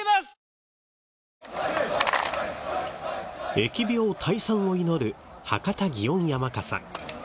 疫病退散を祈る博多園山笠。